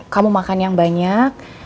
kamu makan yang banyak